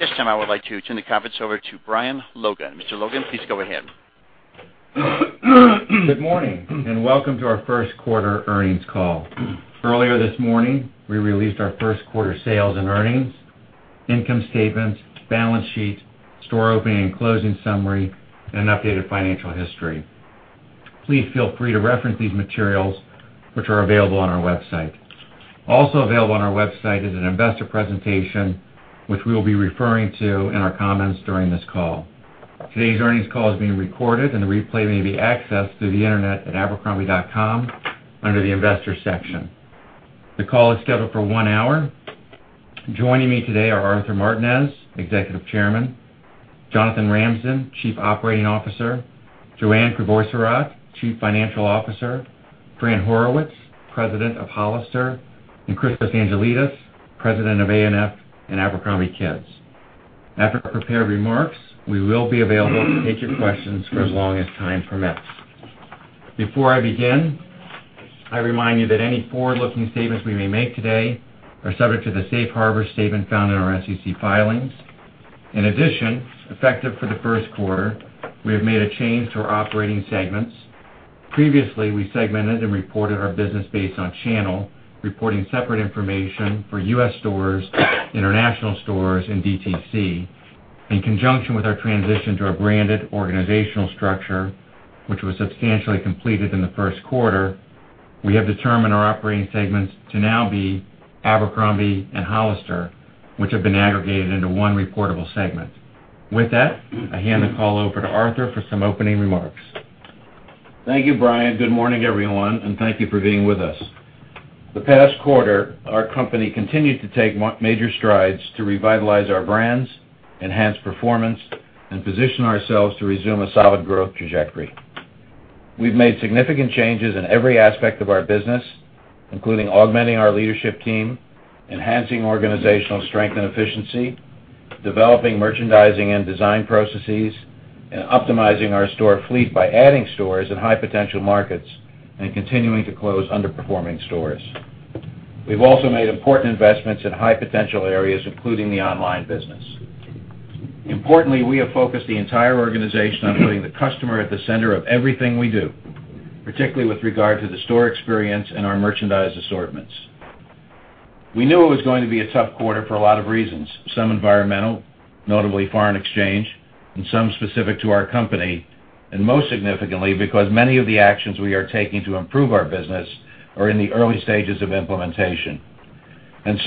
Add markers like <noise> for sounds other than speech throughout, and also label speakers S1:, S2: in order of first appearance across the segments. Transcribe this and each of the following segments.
S1: At this time, I would like to turn the conference over to Brian Logan. Mr. Logan, please go ahead.
S2: Good morning, and welcome to our first quarter earnings call. Earlier this morning, we released our first quarter sales and earnings, income statements, balance sheet, store opening and closing summary, and an updated financial history. Please feel free to reference these materials, which are available on our website. Also available on our website is an investor presentation, which we will be referring to in our comments during this call. Today's earnings call is being recorded, and the replay may be accessed through the Internet at abercrombie.com under the Investors section. The call is scheduled for one hour. Joining me today are Arthur Martinez, Executive Chairman, Jonathan Ramsden, Chief Operating Officer, Joanne Crevoiserat, Chief Financial Officer, Fran Horowitz, President of Hollister, and Christos Angelides, President of ANF and Abercrombie Kids. After prepared remarks, we will be available to take your questions for as long as time permits. Before I begin, I remind you that any forward-looking statements we may make today are subject to the safe harbor statement found in our SEC filings. In addition, effective for the first quarter, we have made a change to our operating segments. Previously, we segmented and reported our business based on channel, reporting separate information for U.S. stores, international stores, and DTC. In conjunction with our transition to our branded organizational structure, which was substantially completed in the first quarter, we have determined our operating segments to now be Abercrombie and Hollister, which have been aggregated into one reportable segment. With that, I hand the call over to Arthur for some opening remarks.
S3: Thank you, Brian. Good morning, everyone, and thank you for being with us. The past quarter, our company continued to take major strides to revitalize our brands, enhance performance, and position ourselves to resume a solid growth trajectory. We've made significant changes in every aspect of our business, including augmenting our leadership team, enhancing organizational strength and efficiency, developing merchandising and design processes, and optimizing our store fleet by adding stores in high-potential markets and continuing to close underperforming stores. We've also made important investments in high-potential areas, including the online business. Importantly, we have focused the entire organization on putting the customer at the center of everything we do, particularly with regard to the store experience and our merchandise assortments. We knew it was going to be a tough quarter for a lot of reasons, some environmental, notably foreign exchange, and some specific to our company, most significantly, because many of the actions we are taking to improve our business are in the early stages of implementation.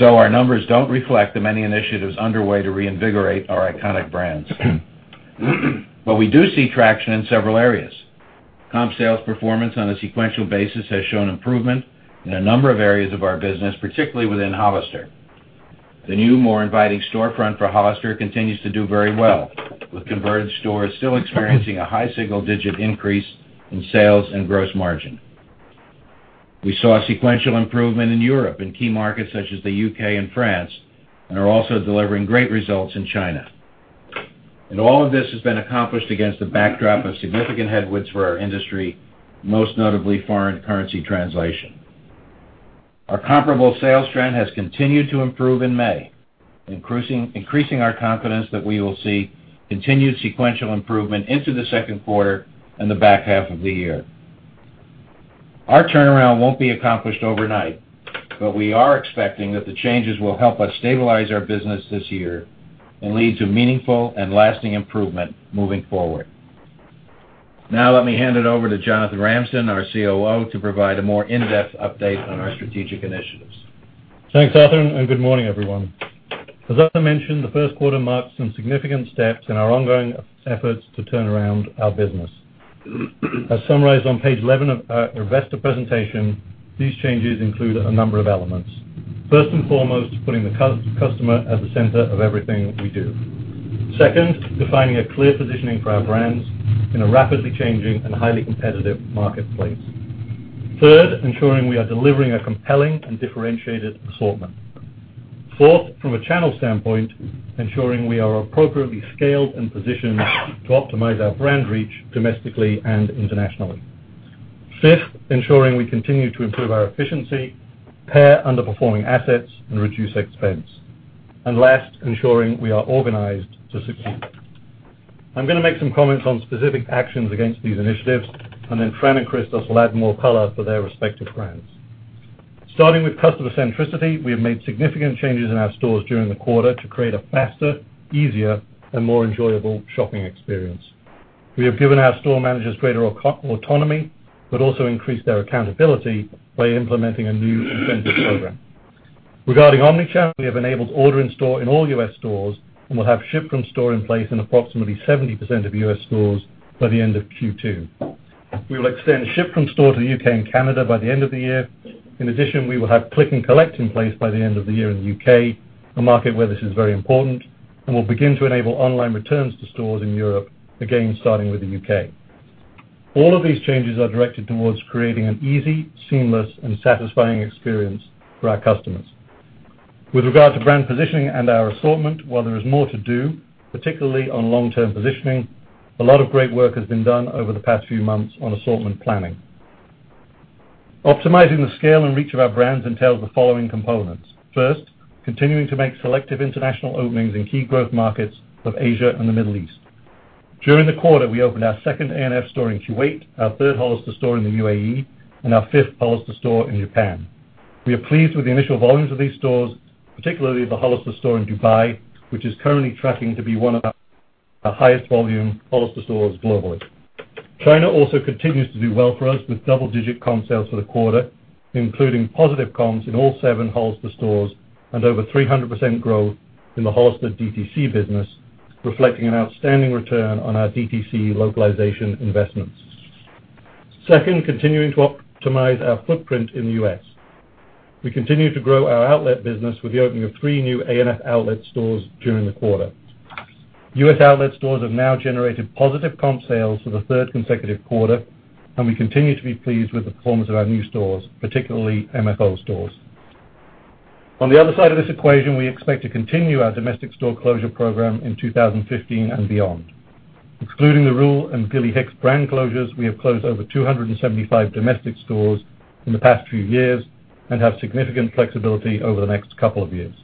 S3: Our numbers don't reflect the many initiatives underway to reinvigorate our iconic brands. We do see traction in several areas. Comp sales performance on a sequential basis has shown improvement in a number of areas of our business, particularly within Hollister. The new, more inviting storefront for Hollister continues to do very well, with converted stores still experiencing a high single-digit increase in sales and gross margin. We saw a sequential improvement in Europe, in key markets such as the U.K. and France, are also delivering great results in China. All of this has been accomplished against the backdrop of significant headwinds for our industry, most notably foreign currency translation. Our comparable sales trend has continued to improve in May, increasing our confidence that we will see continued sequential improvement into the second quarter and the back half of the year. Our turnaround won't be accomplished overnight, but we are expecting that the changes will help us stabilize our business this year and lead to meaningful and lasting improvement moving forward. Now let me hand it over to Jonathan Ramsden, our COO, to provide a more in-depth update on our strategic initiatives.
S4: Thanks, Arthur, and good morning, everyone. As Arthur mentioned, the first quarter marked some significant steps in our ongoing efforts to turn around our business. As summarized on page 11 of our investor presentation, these changes include a number of elements. First and foremost, putting the customer at the center of everything we do. Second, defining a clear positioning for our brands in a rapidly changing and highly competitive marketplace. Third, ensuring we are delivering a compelling and differentiated assortment. Fourth, from a channel standpoint, ensuring we are appropriately scaled and positioned to optimize our brand reach domestically and internationally. Fifth, ensuring we continue to improve our efficiency, pair underperforming assets, and reduce expense. Last, ensuring we are organized to succeed. I'm going to make some comments on specific actions against these initiatives, then Fran and Christos will add more color for their respective brands. Starting with customer centricity, we have made significant changes in our stores during the quarter to create a faster, easier, and more enjoyable shopping experience. We have given our store managers greater autonomy, but also increased their accountability by implementing a new incentive program. Regarding omni-channel, we have enabled order in-store in all U.S. stores and will have ship from store in place in approximately 70% of U.S. stores by the end of Q2. We will extend ship from store to the U.K. and Canada by the end of the year. In addition, we will have click and collect in place by the end of the year in the U.K., a market where this is very important, we'll begin to enable online returns to stores in Europe, again, starting with the U.K. All of these changes are directed towards creating an easy, seamless, and satisfying experience for our customers. With regard to brand positioning and our assortment, while there is more to do, particularly on long-term positioning, a lot of great work has been done over the past few months on assortment planning. Optimizing the scale and reach of our brands entails the following components. First, continuing to make selective international openings in key growth markets of Asia and the Middle East. During the quarter, we opened our second ANF store in Kuwait, our third Hollister store in the UAE, and our fifth Hollister store in Japan. We are pleased with the initial volumes of these stores, particularly the Hollister store in Dubai, which is currently tracking to be one of our highest volume Hollister stores globally. China also continues to do well for us with double-digit comp sales for the quarter, including positive comps in all seven Hollister stores and over 300% growth in the Hollister DTC business, reflecting an outstanding return on our DTC localization investments. Second, continuing to optimize our footprint in the U.S. We continue to grow our outlet business with the opening of three new ANF outlet stores during the quarter. U.S. outlet stores have now generated positive comp sales for the third consecutive quarter, and we continue to be pleased with the performance of our new stores, particularly MFO stores. On the other side of this equation, we expect to continue our domestic store closure program in 2015 and beyond. Excluding the Ruehl and Gilly Hicks brand closures, we have closed over 275 domestic stores in the past few years and have significant flexibility over the next couple of years.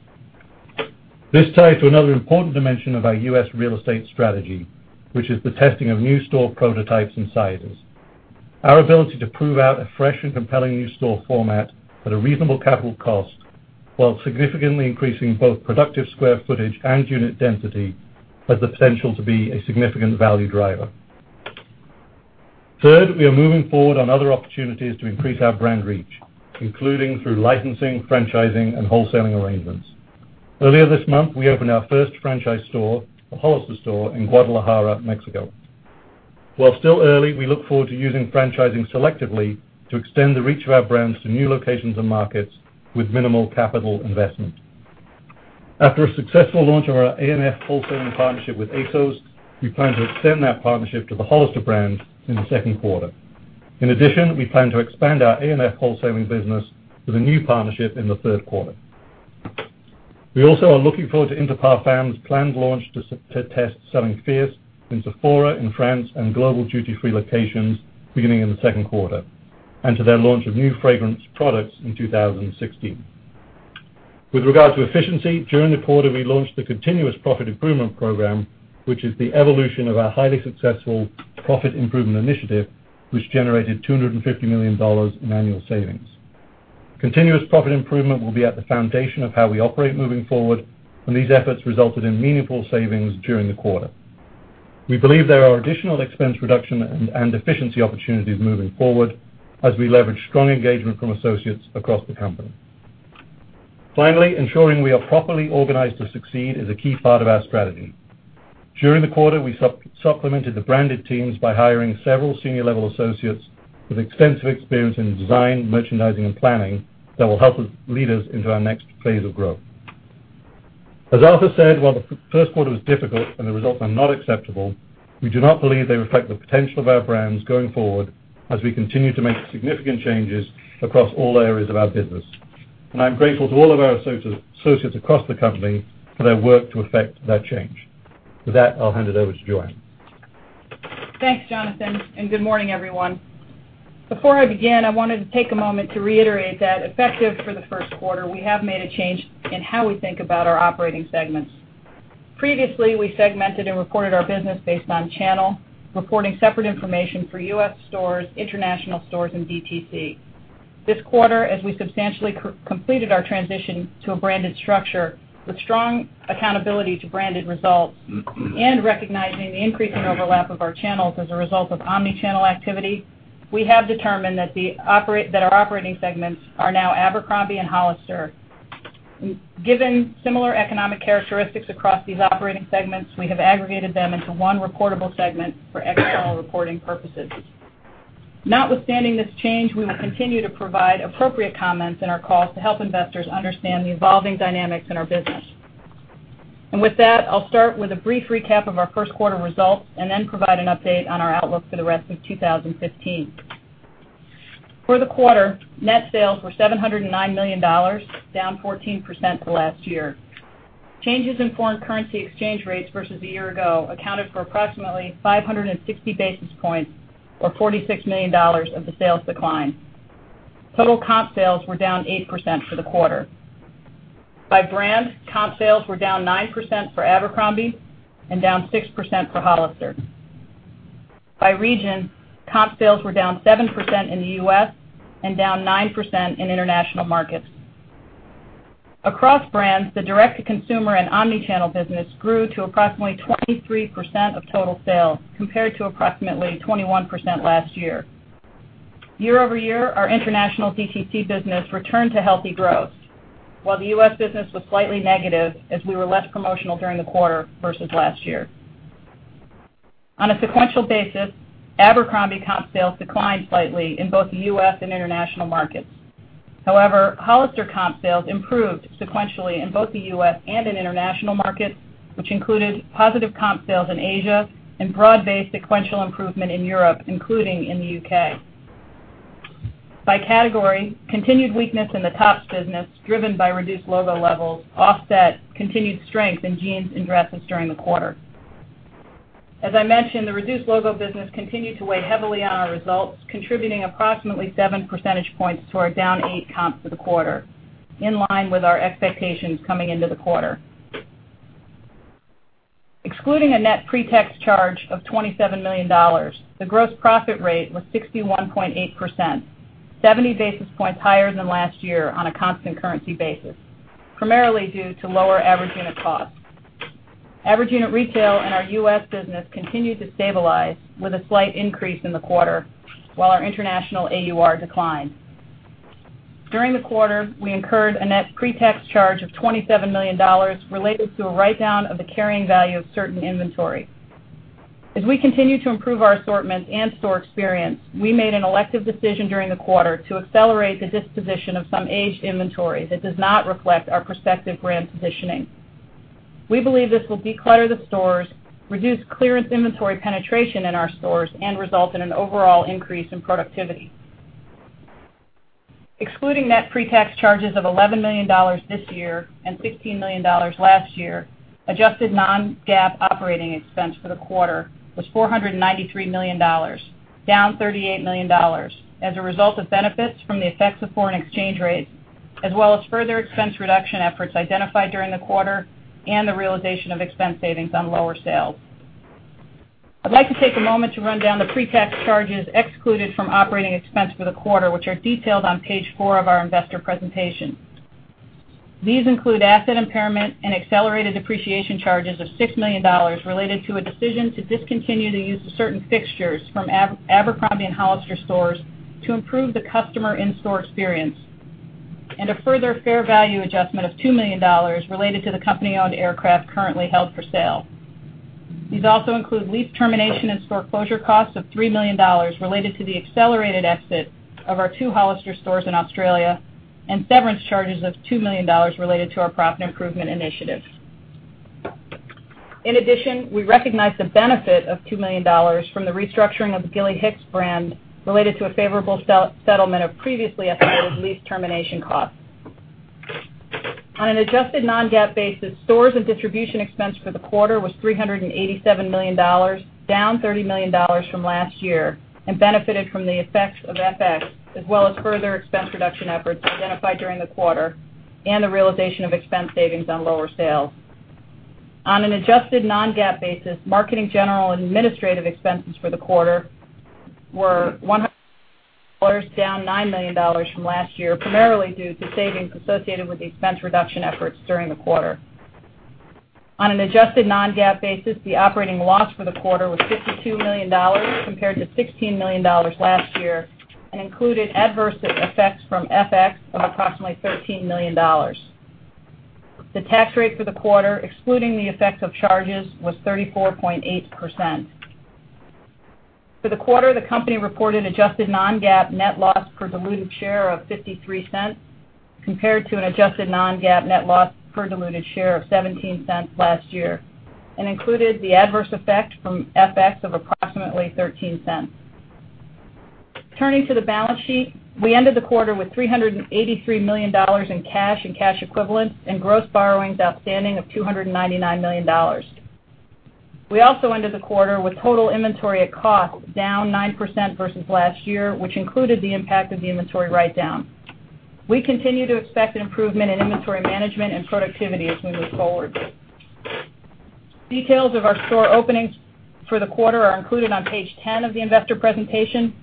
S4: This ties to another important dimension of our U.S. real estate strategy, which is the testing of new store prototypes and sizes. Our ability to prove out a fresh and compelling new store format at a reasonable capital cost, while significantly increasing both productive square footage and unit density, has the potential to be a significant value driver. Third, we are moving forward on other opportunities to increase our brand reach, including through licensing, franchising, and wholesaling arrangements. Earlier this month, we opened our first franchise store, a Hollister store in Guadalajara, Mexico. While still early, we look forward to using franchising selectively to extend the reach of our brands to new locations and markets with minimal capital investment. After a successful launch of our ANF wholesaling partnership with ASOS, we plan to extend that partnership to the Hollister brand in the second quarter. We plan to expand our ANF wholesaling business with a new partnership in the third quarter. We also are looking forward to Inter Parfums' planned launch to test selling Fierce in Sephora in France and global duty-free locations beginning in the second quarter, and to their launch of new fragrance products in 2016. With regard to efficiency, during the quarter, we launched the Continuous Profit Improvement Program, which is the evolution of our highly successful Profit Improvement Initiative, which generated $250 million in annual savings. Continuous profit improvement will be at the foundation of how we operate moving forward, and these efforts resulted in meaningful savings during the quarter. We believe there are additional expense reduction and efficiency opportunities moving forward as we leverage strong engagement from associates across the company. Ensuring we are properly organized to succeed is a key part of our strategy. During the quarter, we supplemented the branded teams by hiring several senior-level associates with extensive experience in design, merchandising, and planning that will help lead us into our next phase of growth. As Arthur said, while the first quarter was difficult and the results are not acceptable, we do not believe they reflect the potential of our brands going forward as we continue to make significant changes across all areas of our business. I'm grateful to all of our associates across the company for their work to effect that change. With that, I'll hand it over to Joanne.
S5: Thanks, Jonathan. Good morning, everyone. Before I begin, I wanted to take a moment to reiterate that effective for the first quarter, we have made a change in how we think about our operating segments. Previously, we segmented and reported our business based on channel, reporting separate information for U.S. stores, international stores, and DTC. This quarter, as we substantially completed our transition to a branded structure with strong accountability to branded results and recognizing the increasing overlap of our channels as a result of omnichannel activity, we have determined that our operating segments are now Abercrombie and Hollister. Given similar economic characteristics across these operating segments, we have aggregated them into one reportable segment for external reporting purposes. Notwithstanding this change, we will continue to provide appropriate comments in our calls to help investors understand the evolving dynamics in our business. With that, I'll start with a brief recap of our first quarter results and then provide an update on our outlook for the rest of 2015. For the quarter, net sales were $709 million, down 14% to last year. Changes in foreign currency exchange rates versus a year ago accounted for approximately 560 basis points or $46 million of the sales decline. Total comp sales were down 8% for the quarter. By brand, comp sales were down 9% for Abercrombie and down 6% for Hollister. By region, comp sales were down 7% in the U.S. and down 9% in international markets. Across brands, the direct-to-consumer and omnichannel business grew to approximately 23% of total sales, compared to approximately 21% last year. Year-over-year, our international DTC business returned to healthy growth, while the U.S. business was slightly negative as we were less promotional during the quarter versus last year. On a sequential basis, Abercrombie comp sales declined slightly in both the U.S. and international markets. However, Hollister comp sales improved sequentially in both the U.S. and in international markets, which included positive comp sales in Asia and broad-based sequential improvement in Europe, including in the U.K. By category, continued weakness in the tops business, driven by reduced logo levels, offset continued strength in jeans and dresses during the quarter. As I mentioned, the reduced logo business continued to weigh heavily on our results, contributing approximately seven percentage points to our down eight comps for the quarter, in line with our expectations coming into the quarter. Excluding a net pre-tax charge of $27 million, the gross profit rate was 61.8%, 70 basis points higher than last year on a constant currency basis, primarily due to lower average unit costs. Average unit retail in our U.S. business continued to stabilize with a slight increase in the quarter, while our international AUR declined. During the quarter, we incurred a net pre-tax charge of $27 million related to a write-down of the carrying value of certain inventory. As we continue to improve our assortments and store experience, we made an elective decision during the quarter to accelerate the disposition of some aged inventory that does not reflect our prospective brand positioning. We believe this will declutter the stores, reduce clearance inventory penetration in our stores, and result in an overall increase in productivity. Excluding net pre-tax charges of $11 million this year and $16 million last year, adjusted non-GAAP operating expense for the quarter was $493 million, down $38 million, as a result of benefits from the effects of foreign exchange rates, as well as further expense reduction efforts identified during the quarter and the realization of expense savings on lower sales. I'd like to take a moment to run down the pre-tax charges excluded from operating expense for the quarter, which are detailed on page four of our investor presentation. These include asset impairment and accelerated depreciation charges of $6 million related to a decision to discontinue the use of certain fixtures from Abercrombie & Hollister stores to improve the customer in-store experience, and a further fair value adjustment of $2 million related to the company-owned aircraft currently held for sale. These also include lease termination and store closure costs of $3 million related to the accelerated exit of our two Hollister stores in Australia, and severance charges of $2 million related to our Profit Improvement Initiatives. In addition, we recognized the benefit of $2 million from the restructuring of the Gilly Hicks brand related to a favorable settlement of previously estimated lease termination costs. On an adjusted non-GAAP basis, stores and distribution expense for the quarter was $387 million, down $30 million from last year, and benefited from the effects of FX, as well as further expense reduction efforts identified during the quarter and the realization of expense savings on lower sales. On an adjusted non-GAAP basis, marketing, general, and administrative expenses for the quarter were down $9 million from last year, primarily due to savings associated with expense reduction efforts during the quarter. On an adjusted non-GAAP basis, the operating loss for the quarter was $52 million compared to $16 million last year and included adverse effects from FX of approximately $13 million. The tax rate for the quarter, excluding the effect of charges, was 34.8%. For the quarter, the company reported adjusted non-GAAP net loss per diluted share of $0.53 compared to an adjusted non-GAAP net loss per diluted share of $0.17 last year and included the adverse effect from FX of approximately $0.13. Turning to the balance sheet, we ended the quarter with $383 million in cash and cash equivalents and gross borrowings outstanding of $299 million. We also ended the quarter with total inventory at cost down 9% versus last year, which included the impact of the inventory write-down. We continue to expect an improvement in inventory management and productivity as we move forward. Details of our store openings for the quarter are included on page 10 of the investor presentation.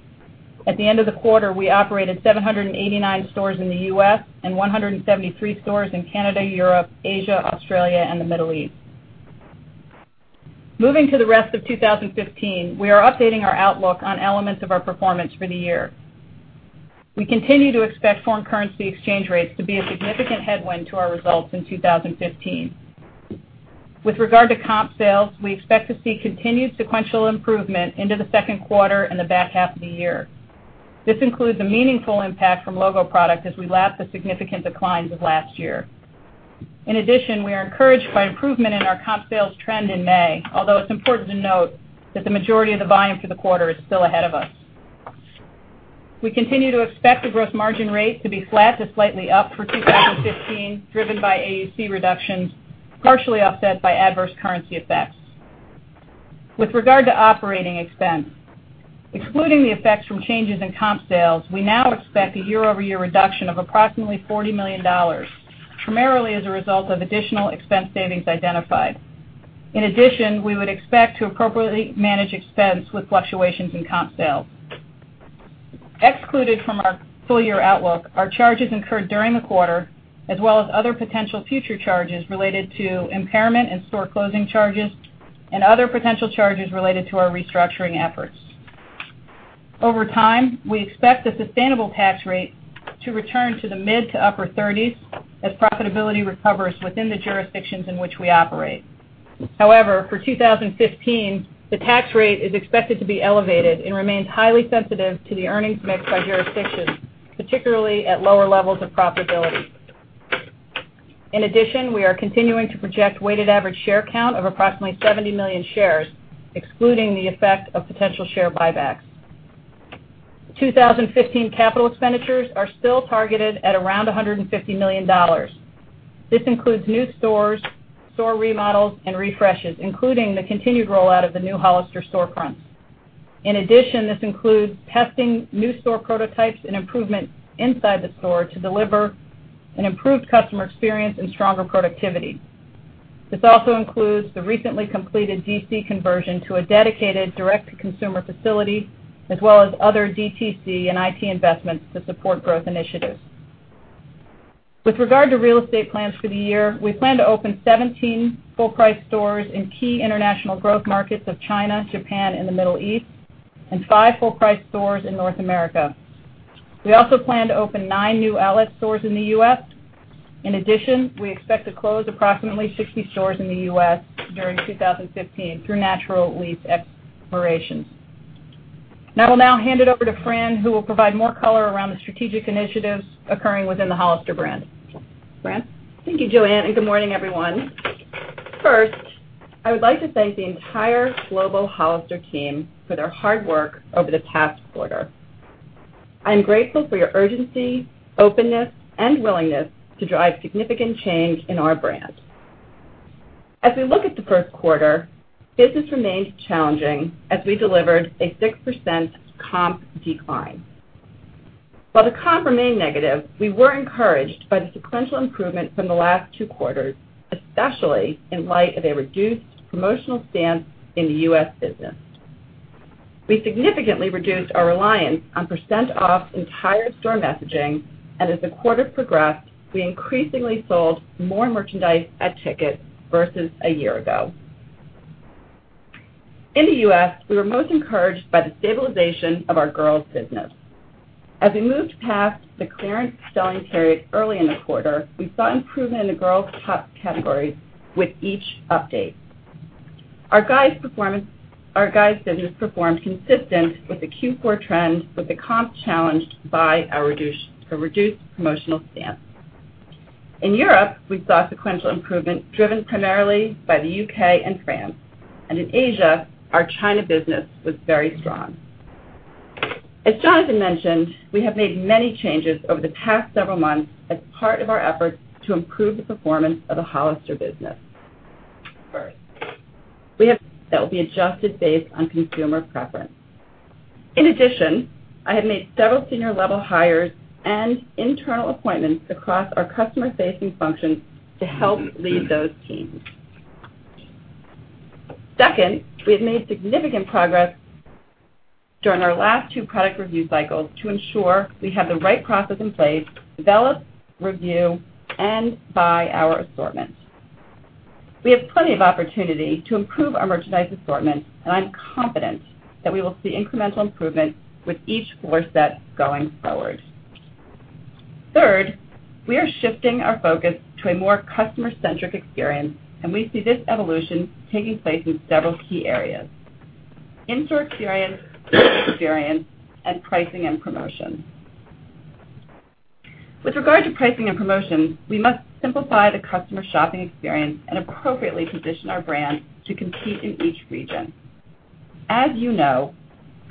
S5: At the end of the quarter, we operated 789 stores in the U.S. and 173 stores in Canada, Europe, Asia, Australia, and the Middle East. Moving to the rest of 2015, we are updating our outlook on elements of our performance for the year. We continue to expect foreign currency exchange rates to be a significant headwind to our results in 2015. With regard to comp sales, we expect to see continued sequential improvement into the second quarter and the back half of the year. This includes a meaningful impact from logo product as we lap the significant declines of last year. We are encouraged by improvement in our comp sales trend in May, although it's important to note that the majority of the volume for the quarter is still ahead of us. We continue to expect the gross margin rate to be flat to slightly up for 2015, driven by AUC reductions, partially offset by adverse currency effects. With regard to operating expense, excluding the effects from changes in comp sales, we now expect a year-over-year reduction of approximately $40 million, primarily as a result of additional expense savings identified. We would expect to appropriately manage expense with fluctuations in comp sales. Excluded from our full-year outlook are charges incurred during the quarter, as well as other potential future charges related to impairment and store closing charges and other potential charges related to our restructuring efforts. Over time, we expect the sustainable tax rate to return to the mid to upper 30s as profitability recovers within the jurisdictions in which we operate. However, for 2015, the tax rate is expected to be elevated and remains highly sensitive to the earnings mix by jurisdiction, particularly at lower levels of profitability. We are continuing to project weighted average share count of approximately 70 million shares, excluding the effect of potential share buybacks. 2015 capital expenditures are still targeted at around $150 million. This includes new stores, store remodels, and refreshes, including the continued rollout of the new Hollister store fronts. This includes testing new store prototypes and improvement inside the store to deliver an improved customer experience and stronger productivity. This also includes the recently completed DC conversion to a dedicated direct-to-consumer facility as well as other DTC and IT investments to support growth initiatives. With regard to real estate plans for the year, we plan to open 17 full-price stores in key international growth markets of China, Japan, and the Middle East, and five full-price stores in North America. We also plan to open nine new outlet stores in the U.S. We expect to close approximately 60 stores in the U.S. during 2015 through natural lease expirations. I will now hand it over to Fran, who will provide more color around the strategic initiatives occurring within the Hollister brand. Fran?
S6: Thank you, Joanne, and good morning, everyone. First, I would like to thank the entire global Hollister team for their hard work over the past quarter. I'm grateful for your urgency, openness, and willingness to drive significant change in our brand. As we look at the first quarter, business remains challenging as we delivered a 6% comp decline. While the comp remained negative, we were encouraged by the sequential improvement from the last two quarters, especially in light of a reduced promotional stance in the U.S. business. We significantly reduced our reliance on percent-off entire store messaging, and as the quarter progressed, we increasingly sold more merchandise at ticket versus a year ago. In the U.S., we were most encouraged by the stabilization of our girls' business. As we moved past the clearance selling period early in the quarter, we saw improvement in the girls' top categories with each update. Our guys business performed consistent with the Q4 trend with the comp challenged by a reduced promotional stance. In Europe, we saw sequential improvement driven primarily by the U.K. and France. In Asia, our China business was very strong. As Jonathan mentioned, we have made many changes over the past several months as part of our efforts to improve the performance of the Hollister business. <audio distortion> that will be adjusted based on consumer preference. In addition, I have made several senior-level hires and internal appointments across our customer-facing functions to help lead those teams. Second, we have made significant progress during our last two product review cycles to ensure we have the right process in place, develop, review, and buy our assortments. We have plenty of opportunity to improve our merchandise assortment, and I'm confident that we will see incremental improvement with each floor set going forward. Third, we are shifting our focus to a more customer-centric experience, and we see this evolution taking place in several key areas: in-store experience, brand experience, and pricing and promotion. With regard to pricing and promotion, we must simplify the customer shopping experience and appropriately position our brand to compete in each region. As you know,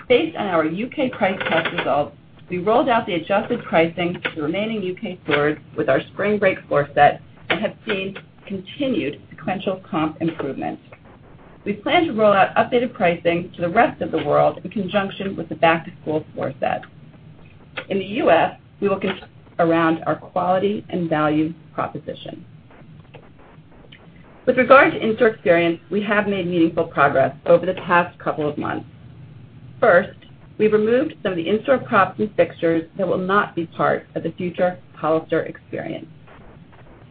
S6: based on our U.K. price test results, we rolled out the adjusted pricing to the remaining U.K. stores with our spring break floor set and have seen continued sequential comp improvement. We plan to roll out updated pricing to the rest of the world in conjunction with the back-to-school floor set. In the U.S., we will around our quality and value proposition. With regard to in-store experience, we have made meaningful progress over the past couple of months. First, we removed some of the in-store props and fixtures that will not be part of the future Hollister experience.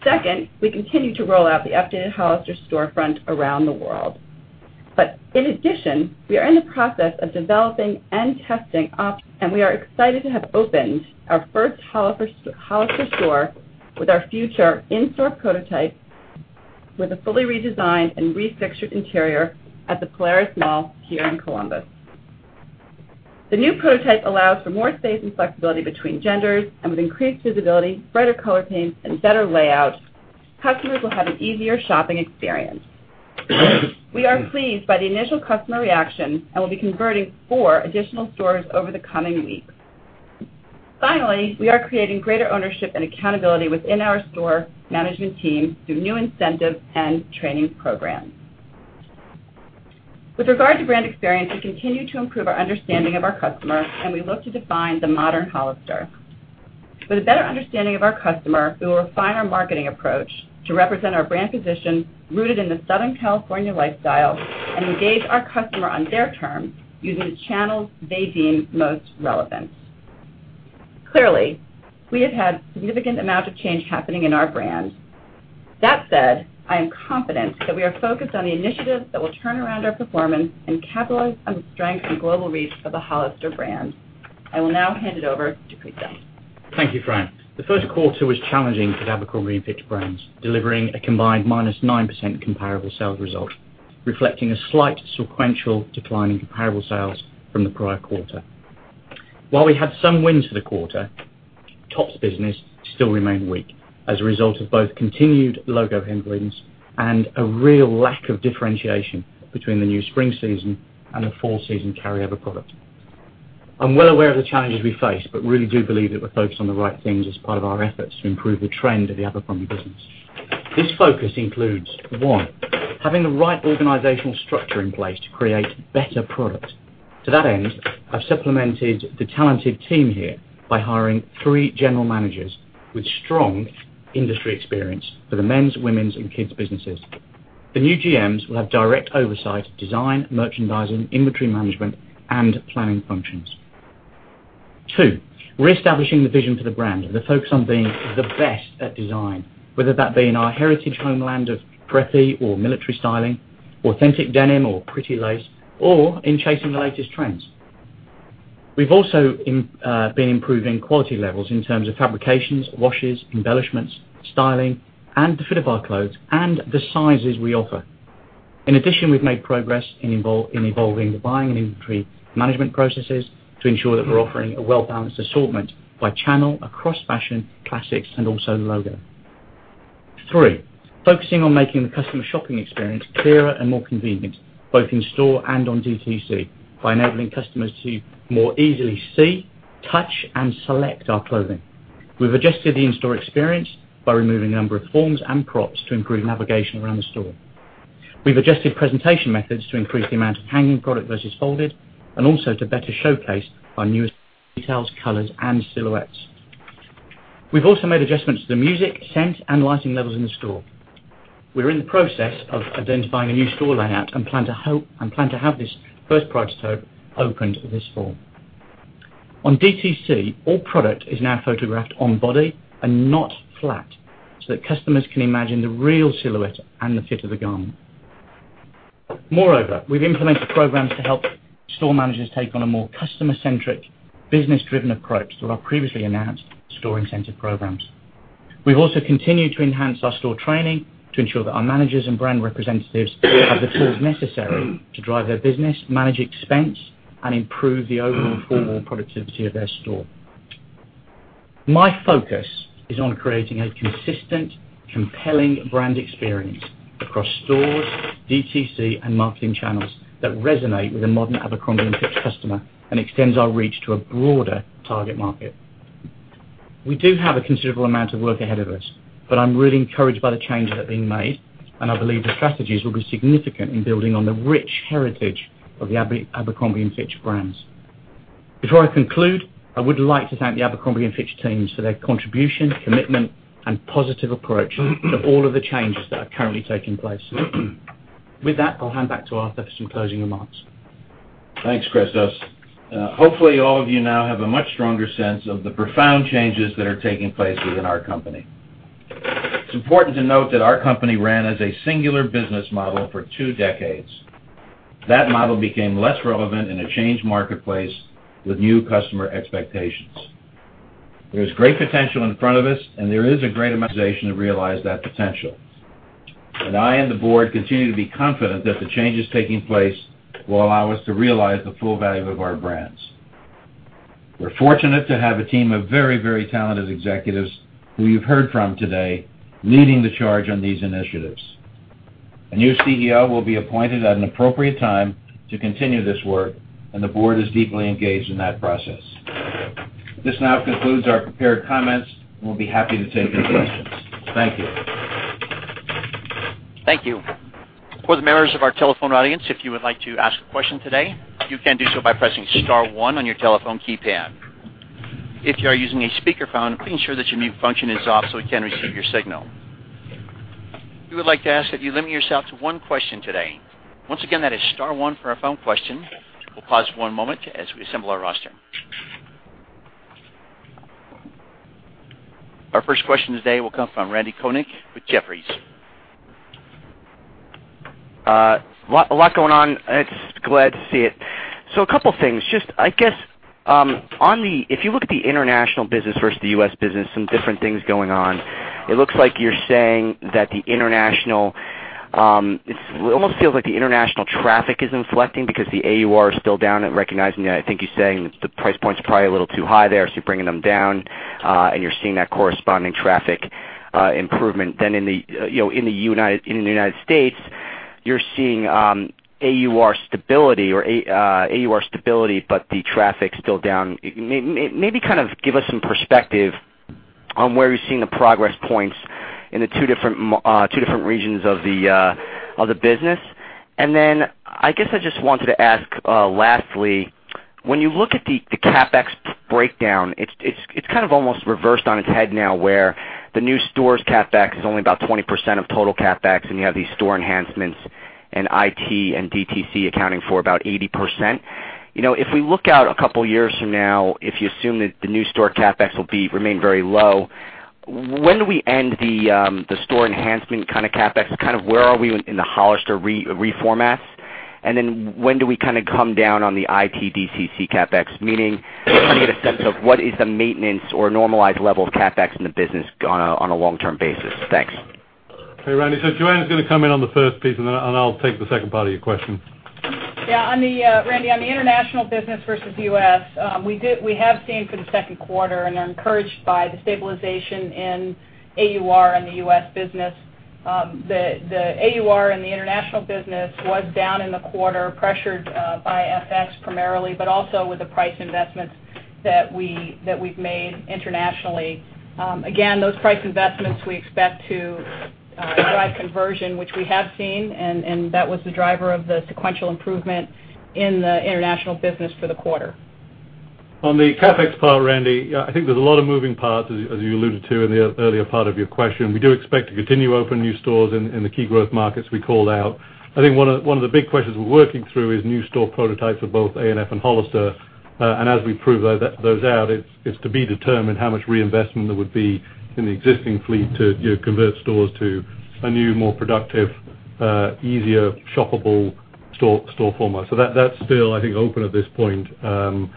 S6: Second, we continue to roll out the updated Hollister storefront around the world. In addition, we are in the process of developing and testing up, and we are excited to have opened our first Hollister store with our future in-store prototype with a fully redesigned and refixtured interior at the Polaris Mall here in Columbus. The new prototype allows for more space and flexibility between genders, and with increased visibility, brighter color themes, and better layouts, customers will have an easier shopping experience. We are pleased by the initial customer reaction and will be converting four additional stores over the coming weeks. Finally, we are creating greater ownership and accountability within our store management team through new incentives and training programs. With regard to brand experience, we continue to improve our understanding of our customer, and we look to define the modern Hollister. With a better understanding of our customer, we will refine our marketing approach to represent our brand position rooted in the Southern California lifestyle and engage our customer on their terms using the channels they deem most relevant. Clearly, we have had significant amount of change happening in our brand. That said, I am confident that we are focused on the initiatives that will turn around our performance and capitalize on the strength and global reach of the Hollister brand. I will now hand it over to Chris Angelides.
S7: Thank you, Fran. The first quarter was challenging for Abercrombie & Fitch Brands, delivering a combined -9% comparable sales result, reflecting a slight sequential decline in comparable sales from the prior quarter. While we had some wins for the quarter. Tops business still remain weak as a result of both continued logo hindrance and a real lack of differentiation between the new spring season and the fall season carryover product. I am well aware of the challenges we face, but really do believe that we are focused on the right things as part of our efforts to improve the trend of the Abercrombie business. This focus includes, one, having the right organizational structure in place to create better product. To that end, I have supplemented the talented team here by hiring three General Managers with strong industry experience for the men's, women's, and kids' businesses. The new GMs will have direct oversight of design, merchandising, inventory management, and planning functions. Two, we are establishing the vision for the brand with a focus on being the best at design, whether that be in our heritage homeland of preppy or military styling, authentic denim or pretty lace, or in chasing the latest trends. We have also been improving quality levels in terms of fabrications, washes, embellishments, styling, and the fit of our clothes and the sizes we offer. In addition, we have made progress in evolving the buying and inventory management processes to ensure that we are offering a well-balanced assortment by channel, across fashion, classics, and also logo. Three, focusing on making the customer shopping experience clearer and more convenient, both in store and on DTC, by enabling customers to more easily see, touch, and select our clothing. We have adjusted the in-store experience by removing a number of forms and props to improve navigation around the store. We've adjusted presentation methods to increase the amount of hanging product versus folded, and also to better showcase our newest details, colors, and silhouettes. We've also made adjustments to the music, scent, and lighting levels in the store. We're in the process of identifying a new store layout and plan to have this first prototype opened this fall. On DTC, all product is now photographed on body and not flat, so that customers can imagine the real silhouette and the fit of the garment. Moreover, we've implemented programs to help store managers take on a more customer-centric, business-driven approach through our previously announced store incentive programs. We've also continued to enhance our store training to ensure that our managers and brand representatives have the tools necessary to drive their business, manage expense, and improve the overall formal productivity of their store. My focus is on creating a consistent, compelling brand experience across stores, DTC, and marketing channels that resonate with a modern Abercrombie & Fitch customer and extends our reach to a broader target market. We do have a considerable amount of work ahead of us, but I'm really encouraged by the changes that are being made, and I believe the strategies will be significant in building on the rich heritage of the Abercrombie & Fitch brands. Before I conclude, I would like to thank the Abercrombie & Fitch teams for their contribution, commitment, and positive approach to all of the changes that are currently taking place. With that, I'll hand back to Arthur for some closing remarks.
S3: Thanks, Christos. Hopefully all of you now have a much stronger sense of the profound changes that are taking place within our company. It's important to note that our company ran as a singular business model for two decades. That model became less relevant in a changed marketplace with new customer expectations. There's great potential in front of us, and there is a great realization to realize that potential. I and the board continue to be confident that the changes taking place will allow us to realize the full value of our brands. We're fortunate to have a team of very talented executives who you've heard from today, leading the charge on these initiatives. A new CEO will be appointed at an appropriate time to continue this work, and the board is deeply engaged in that process. This now concludes our prepared comments. We'll be happy to take your questions. Thank you.
S1: Thank you. For the members of our telephone audience, if you would like to ask a question today, you can do so by pressing star one on your telephone keypad. If you are using a speakerphone, please ensure that your mute function is off so we can receive your signal. We would like to ask that you limit yourself to one question today. Once again, that is star one for a phone question. We will pause one moment as we assemble our roster. Our first question today will come from Randal Konik with Jefferies.
S8: A lot going on. Glad to see it. A couple things. Just, I guess, if you look at the international business versus the U.S. business, some different things going on. It looks like you are saying that the international. It almost feels like the international traffic isn't selecting because the AUR is still down and recognizing that. I think you are saying the price point is probably a little too high there, so you are bringing them down, and you are seeing that corresponding traffic improvement. In the United States, you are seeing AUR stability, but the traffic is still down. Maybe give us some perspective on where you are seeing the progress points in the two different regions of the business. I guess I just wanted to ask, lastly, when you look at the CapEx breakdown, it is almost reversed on its head now where the new store CapEx is only about 20% of total CapEx, and you have these store enhancements in IT and DTC accounting for about 80%. If we look out a couple years from now, if you assume that the new store CapEx will remain very low, when do we end the store enhancement CapEx? Where are we in the Hollister reformat? When do we come down on the IT DTC CapEx? Meaning, trying to get a sense of what is the maintenance or normalized level of CapEx in the business on a long-term basis. Thanks.
S4: Hey, Randy. Joanne is going to come in on the first piece, and I will take the second part of your question.
S5: Yeah, Randy, on the international business versus U.S., we have seen for the second quarter and are encouraged by the stabilization in AUR in the U.S. business. The AUR in the international business was down in the quarter, pressured by FX primarily, but also with the price investments that we've made internationally. Those price investments we expect to drive conversion, which we have seen, and that was the driver of the sequential improvement in the international business for the quarter.
S4: On the CapEx part, Randy, I think there's a lot of moving parts, as you alluded to in the earlier part of your question. We do expect to continue to open new stores in the key growth markets we called out. I think one of the big questions we're working through is new store prototypes of both ANF and Hollister. As we prove those out, it's to be determined how much reinvestment there would be in the existing fleet to convert stores to a new, more productive, easier, shoppable store format. That's still, I think, open at this point. Then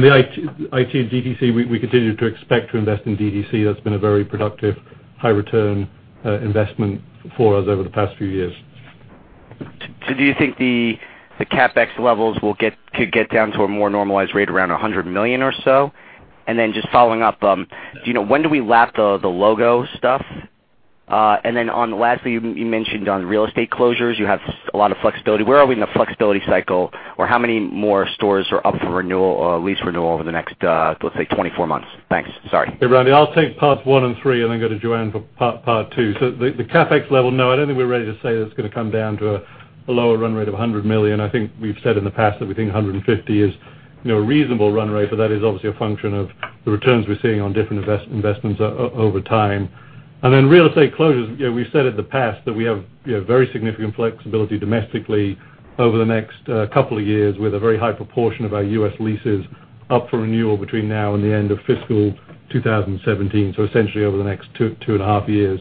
S4: the IT and DTC, we continue to expect to invest in DTC. That's been a very productive, high-return investment for us over the past few years.
S8: Do you think the CapEx levels could get down to a more normalized rate around $100 million or so? Then just following up, do you know when do we lap the logo stuff? Then lastly, you mentioned on real estate closures, you have a lot of flexibility. Where are we in the flexibility cycle, or how many more stores are up for renewal or lease renewal over the next, let's say, 24 months? Thanks. Sorry.
S4: Hey, Randy. I'll take part one and three and then go to Joanne for part two. The CapEx level, no, I don't think we're ready to say that it's going to come down to a lower run rate of $100 million. I think we've said in the past that we think $150 million is a reasonable run rate, but that is obviously a function of the returns we're seeing on different investments over time. Then real estate closures, we've said in the past that we have very significant flexibility domestically over the next couple of years with a very high proportion of our U.S. leases up for renewal between now and the end of fiscal 2017. Essentially over the next two and a half years.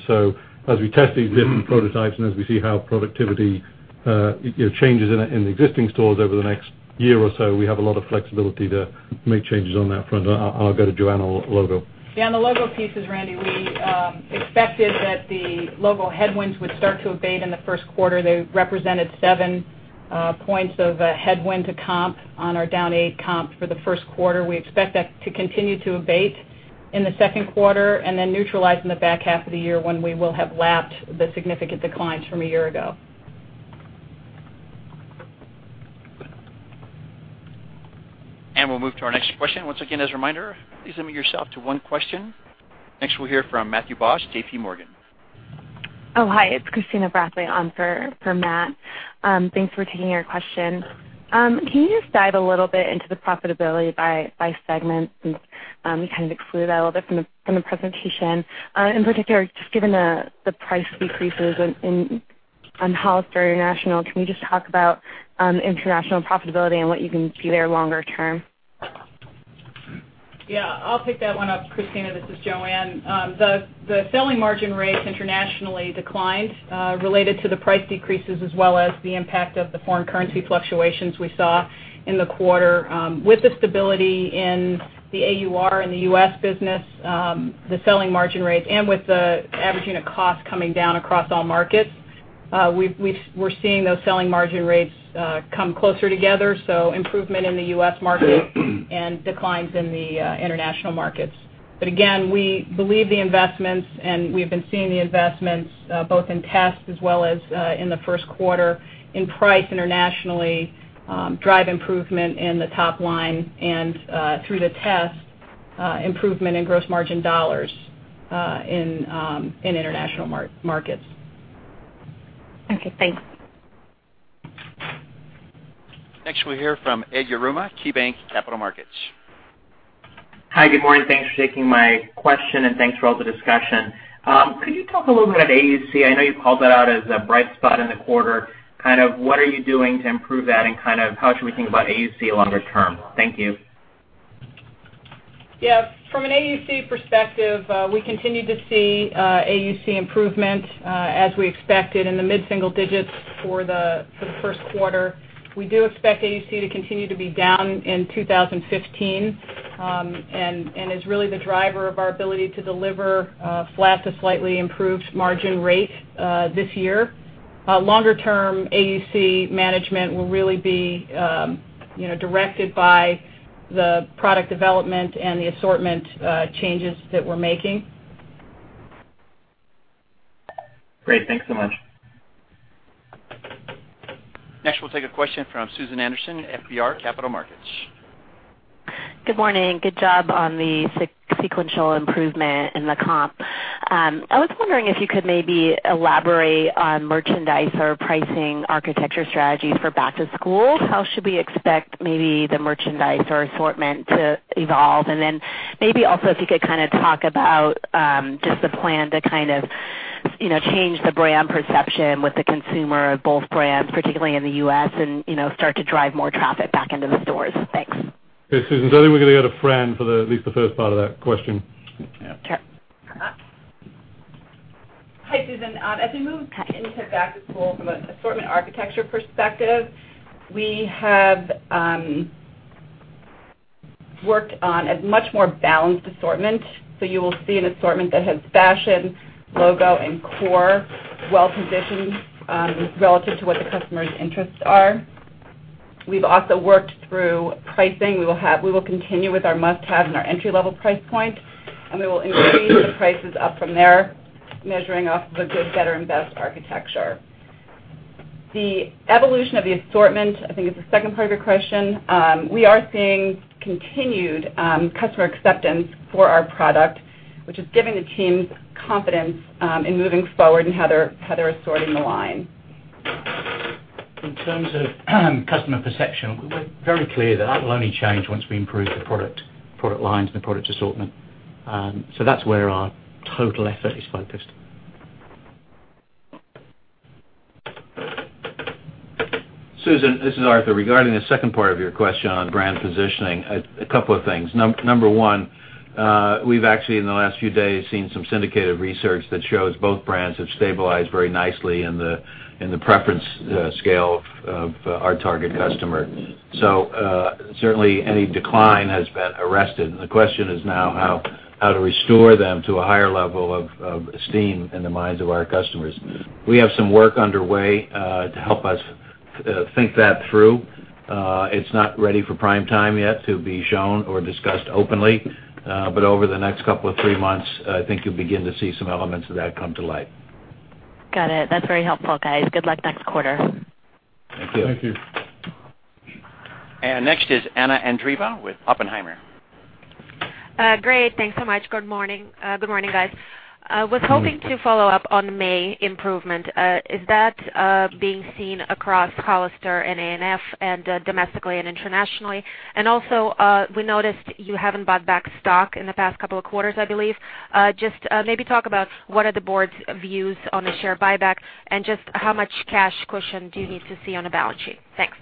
S4: As we test these different prototypes and as we see how productivity changes in the existing stores over the next year or so, we have a lot of flexibility to make changes on that front. I'll go to Joanne on logo.
S5: Yeah, on the logo pieces, Randy, we expected that the logo headwinds would start to abate in the first quarter. They represented 7 points of headwind to comp on our down 8 comp for the first quarter. We expect that to continue to abate in the second quarter and then neutralize in the back half of the year when we will have lapped the significant declines from a year ago.
S1: We'll move to our next question. Once again, as a reminder, please limit yourself to one question. Next, we'll hear from Matthew Boss, JPMorgan.
S9: Oh, hi. It's Christina Bradley on for Matt. Thanks for taking our question. Can you just dive a little bit into the profitability by segment since you kind of excluded that a little bit from the presentation. In particular, just given the price decreases on Hollister International, can we just talk about international profitability and what you can see there longer term?
S5: I'll pick that one up, Christina. This is Joanne. The selling margin rates internationally declined related to the price decreases as well as the impact of the foreign currency fluctuations we saw in the quarter. With the stability in the AUR in the U.S. business, the selling margin rates, and with the average unit cost coming down across all markets, we're seeing those selling margin rates come closer together. Improvement in the U.S. market and declines in the international markets. Again, we believe the investments, and we've been seeing the investments both in tests as well as in the first quarter, in price internationally drive improvement in the top line and through the test, improvement in gross margin dollars in international markets.
S9: Okay, thanks.
S1: Next, we'll hear from Edward Yruma, KeyBanc Capital Markets.
S10: Hi, good morning. Thanks for taking my question, and thanks for all the discussion. Could you talk a little bit about AUC? I know you called that out as a bright spot in the quarter. What are you doing to improve that, and how should we think about AUC longer term? Thank you.
S5: Yeah. From an AUC perspective, we continue to see AUC improvement as we expected in the mid-single digits for the first quarter. We do expect AUC to continue to be down in 2015. Is really the driver of our ability to deliver a flat to slightly improved margin rate this year. Longer term, AUC management will really be directed by the product development and the assortment changes that we're making.
S10: Great. Thanks so much.
S1: Next, we'll take a question from Susan Anderson, FBR Capital Markets.
S11: Good morning. Good job on the sequential improvement in the comp. I was wondering if you could maybe elaborate on merchandise or pricing architecture strategy for back-to-school. How should we expect maybe the merchandise or assortment to evolve? And then maybe also if you could kind of talk about just the plan to kind of change the brand perception with the consumer of both brands, particularly in the US and start to drive more traffic back into stores. Thanks.
S4: Okay, Susan. I think we're going to go to Fran for at least the first part of that question.
S11: Yeah. Sure.
S6: Hi, Susan. As we move into back-to-school from an assortment architecture perspective, we have worked on a much more balanced assortment. You will see an assortment that has fashion, logo, and core well-conditioned relative to what the customer's interests are. We've also worked through pricing. We will continue with our must-haves and our entry-level price point, we will increase the prices up from there, measuring off of the good, better, and best architecture. The evolution of the assortment, I think, is the second part of your question. We are seeing continued customer acceptance for our product, which is giving the teams confidence in moving forward in how they're assorting the line.
S4: In terms of customer perception, we're very clear that that will only change once we improve the product lines and the product assortment. That's where our total effort is focused.
S3: Susan, this is Arthur. Regarding the second part of your question on brand positioning, a couple of things. Number one, we've actually, in the last few days, seen some syndicated research that shows both brands have stabilized very nicely in the preference scale of our target customer. Certainly any decline has been arrested, and the question is now how to restore them to a higher level of esteem in the minds of our customers. We have some work underway to help us think that through. It's not ready for prime time yet to be shown or discussed openly. Over the next couple of three months, I think you'll begin to see some elements of that come to light.
S11: Got it. That's very helpful, guys. Good luck next quarter.
S3: Thank you.
S4: Thank you.
S1: Next is Anna Andreeva with Oppenheimer.
S12: Great. Thanks so much. Good morning. Good morning, guys.
S4: Good morning.
S12: Was hoping to follow up on May improvement. Is that being seen across Hollister and A&F, and domestically and internationally? Also, we noticed you haven't bought back stock in the past couple of quarters, I believe. Just maybe talk about what are the board's views on the share buyback, and just how much cash cushion do you need to see on the balance sheet? Thanks.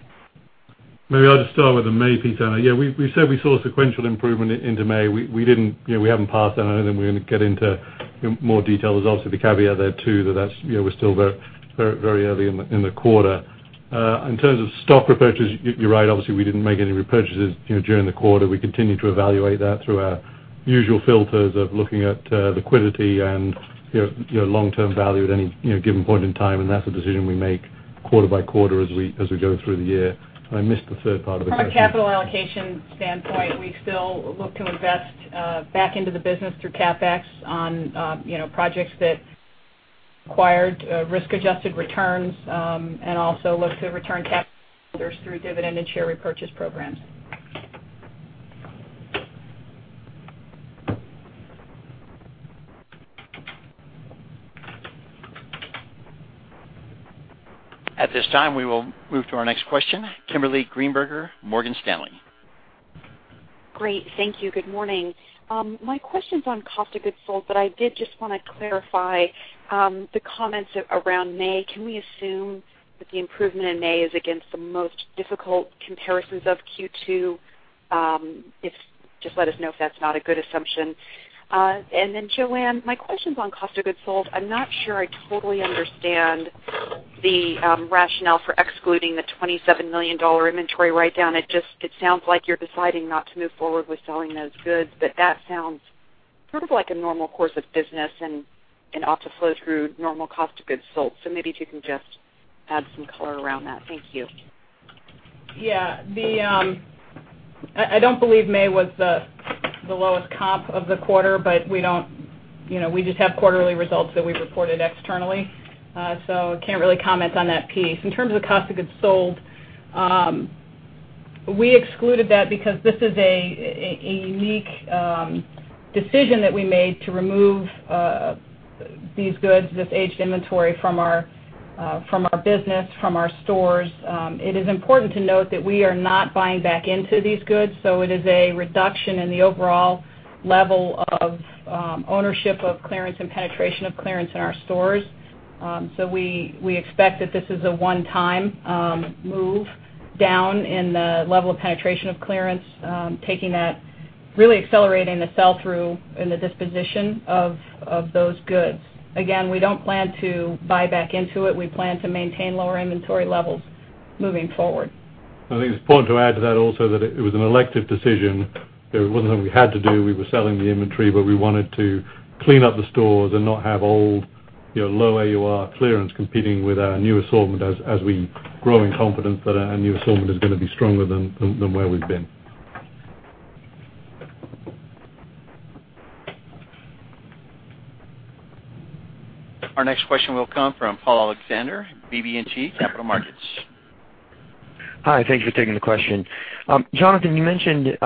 S4: Maybe I'll just start with the May piece, Anna. Yeah, we said we saw a sequential improvement into May. We haven't passed that on, and I don't think we're going to get into more detail. There's also the caveat there, too, that we're still very early in the quarter. In terms of stock repurchase, you're right. Obviously, we didn't make any repurchases during the quarter. We continue to evaluate that through our usual filters of looking at liquidity and long-term value at any given point in time, and that's a decision we make quarter by quarter as we go through the year. I missed the third part of the question.
S5: From a capital allocation standpoint, we still look to invest back into the business through CapEx on projects that acquired risk-adjusted returns, and also look to return capital to shareholders through dividend and share repurchase programs.
S1: At this time, we will move to our next question. Kimberly Greenberger, Morgan Stanley.
S13: Great. Thank you. Good morning. My question's on cost of goods sold, but I did just want to clarify the comments around May. Can we assume that the improvement in May is against the most difficult comparisons of Q2? Just let us know if that's not a good assumption. Then Joanne, my question's on cost of goods sold. I'm not sure I totally understand the rationale for excluding the $27 million inventory write-down. It sounds like you're deciding not to move forward with selling those goods, but that sounds sort of like a normal course of business and ought to flow through normal cost of goods sold. Maybe if you can just add some color around that. Thank you.
S5: Yeah. I don't believe May was the lowest comp of the quarter. We just have quarterly results that we reported externally. Can't really comment on that piece. In terms of cost of goods sold, we excluded that because this is a unique decision that we made to remove these goods, this aged inventory from our business, from our stores. It is important to note that we are not buying back into these goods. It is a reduction in the overall level of ownership of clearance and penetration of clearance in our stores. We expect that this is a one-time move down in the level of penetration of clearance, really accelerating the sell-through in the disposition of those goods. Again, we don't plan to buy back into it. We plan to maintain lower inventory levels moving forward.
S4: I think it's important to add to that also that it was an elective decision. It wasn't something we had to do. We were selling the inventory, but we wanted to clean up the stores and not have old, low AUR clearance competing with our new assortment as we grow in confidence that our new assortment is going to be stronger than where we've been.
S1: Our next question will come from Paul Alexander, BB&T Capital Markets.
S14: Hi. Thank you for taking the question. Jonathan, you mentioned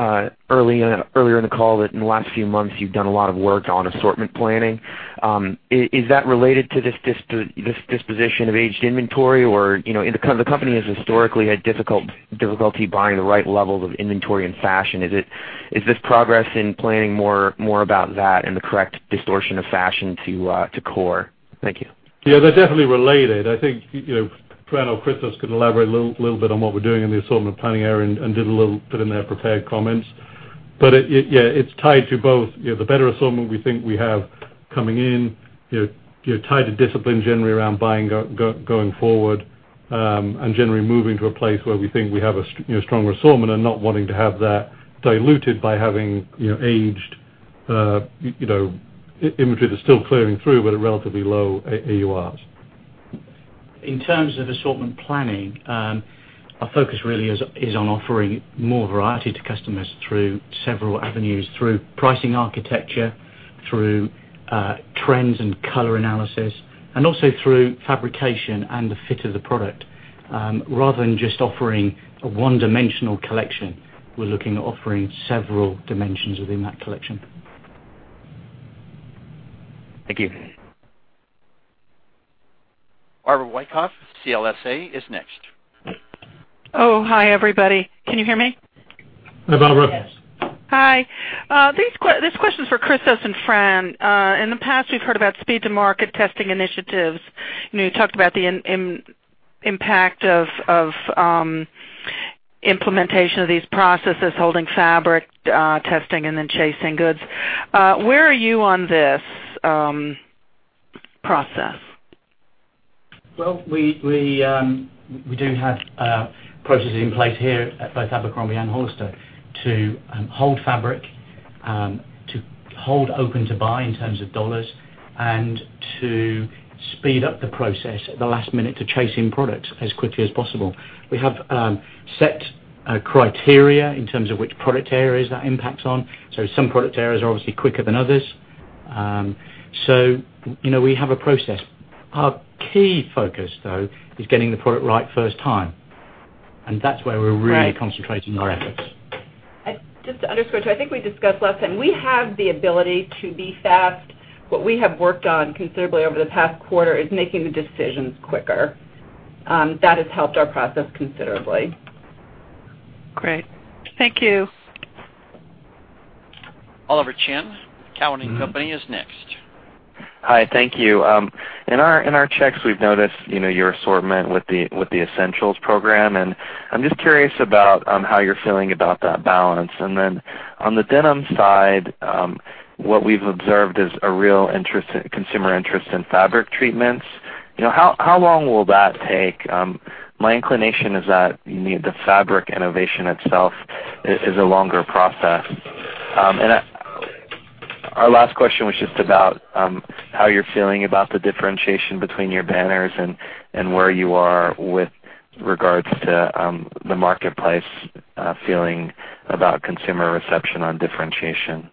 S14: earlier in the call that in the last few months, you've done a lot of work on assortment planning. Is that related to this disposition of aged inventory or the company has historically had difficulty buying the right levels of inventory and fashion? Is this progress in planning more about that and the correct distortion of fashion to core? Thank you.
S4: Yeah, they're definitely related. I think Fran or Christos can elaborate a little bit on what we're doing in the assortment planning area and did a little bit in their prepared comments. Yeah, it's tied to both, the better assortment we think we have coming in, tied to discipline generally around buying going forward. Generally moving to a place where we think we have a stronger assortment and not wanting to have that diluted by having aged inventory that's still clearing through but at relatively low AURs.
S7: In terms of assortment planning, our focus really is on offering more variety to customers through several avenues, through pricing architecture, through trends and color analysis, and also through fabrication and the fit of the product. Rather than just offering a one-dimensional collection, we're looking at offering several dimensions within that collection.
S1: Thank you. Barbara Wyckoff, CLSA, is next.
S15: Hi, everybody. Can you hear me?
S4: Hello, Barbara.
S15: Hi. This question's for Christos and Fran. In the past, we've heard about speed to market testing initiatives. You talked about the impact of implementation of these processes, holding fabric, testing, and then chasing goods. Where are you on this process?
S7: Well, we do have processes in place here at both Abercrombie and Hollister to hold fabric, to hold open to buy in terms of dollars, and to speed up the process at the last minute to chase in product as quickly as possible. We have set criteria in terms of which product areas that impacts on. Some product areas are obviously quicker than others. We have a process. Our key focus, though, is getting the product right first time, and that's where we're really concentrating our efforts.
S6: Right. Just to underscore too, I think we discussed last time, we have the ability to be fast. What we have worked on considerably over the past quarter is making the decisions quicker. That has helped our process considerably.
S15: Great. Thank you.
S1: Oliver Chen, Cowen and Company, is next.
S16: Hi, thank you. In our checks, we've noticed your assortment with the Essentials Program, I'm just curious about how you're feeling about that balance. On the denim side, what we've observed is a real consumer interest in fabric treatments. How long will that take? My inclination is that the fabric innovation itself is a longer process. Our last question was just about how you're feeling about the differentiation between your banners and where you are with regards to the marketplace feeling about consumer reception on differentiation.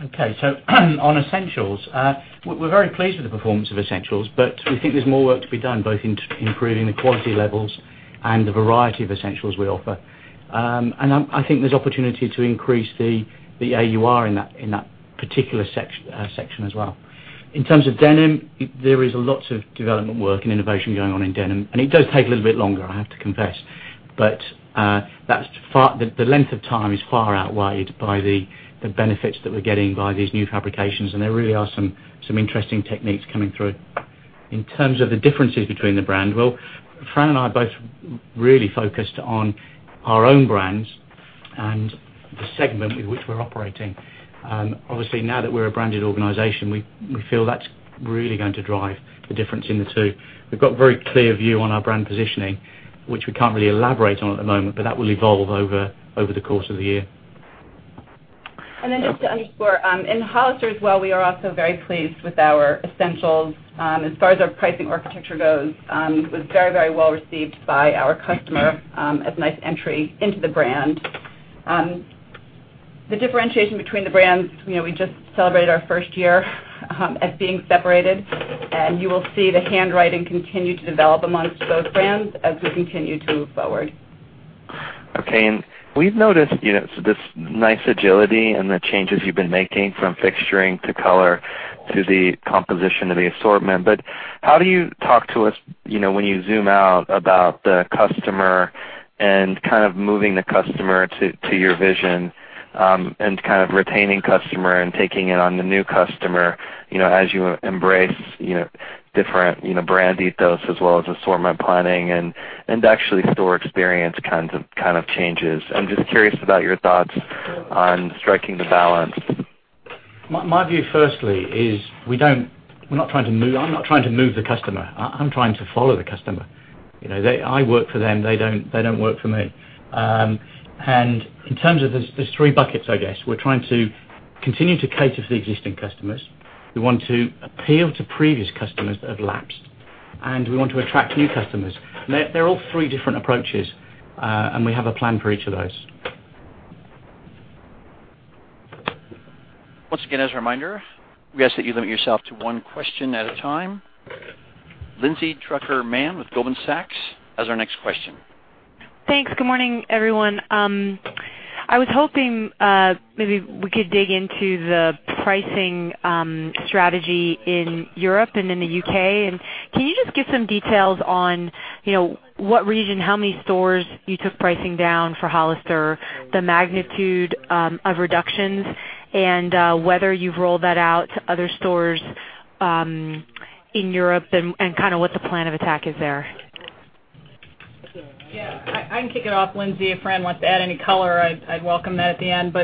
S7: On Essentials, we're very pleased with the performance of Essentials, but we think there's more work to be done, both in improving the quality levels and the variety of Essentials we offer. I think there's opportunity to increase the AUR in that particular section as well. In terms of denim, there is lots of development work and innovation going on in denim, and it does take a little bit longer, I have to confess. The length of time is far outweighed by the benefits that we're getting by these new fabrications, and there really are some interesting techniques coming through. In terms of the differences between the brand, well, Fran and I are both really focused on our own brands and the segment with which we're operating. Obviously, now that we're a branded organization, we feel that's really going to drive the difference in the two. We've got a very clear view on our brand positioning, which we can't really elaborate on at the moment, but that will evolve over the course of the year.
S6: Just to underscore, in Hollister as well, we are also very pleased with our Essentials. As far as our pricing architecture goes, it was very well received by our customer as a nice entry into the brand. The differentiation between the brands, we just celebrated our first year as being separated, and you will see the handwriting continue to develop amongst both brands as we continue to move forward.
S16: Okay. We've noticed this nice agility and the changes you've been making from fixturing to color to the composition of the assortment. How do you Talk to us, when you zoom out, about the customer and kind of moving the customer to your vision, and kind of retaining customer and taking it on the new customer as you embrace different brand ethos as well as assortment planning and actually store experience kind of changes. I'm just curious about your thoughts on striking the balance.
S7: My view, firstly, is I'm not trying to move the customer. I'm trying to follow the customer. I work for them. They don't work for me. In terms of, there's three buckets, I guess. We're trying to continue to cater for the existing customers. We want to appeal to previous customers that have lapsed, and we want to attract new customers. They're all three different approaches, and we have a plan for each of those.
S1: Once again, as a reminder, we ask that you limit yourself to one question at a time. Lindsay Drucker Mann with Goldman Sachs, as our next question.
S17: Thanks. Good morning, everyone. I was hoping maybe we could dig into the pricing strategy in Europe and in the U.K. Can you just give some details on what region, how many stores you took pricing down for Hollister, the magnitude of reductions, and whether you've rolled that out to other stores in Europe and kind of what the plan of attack is there?
S5: Yeah. I can kick it off, Lindsay. If Fran wants to add any color, I'd welcome that at the end.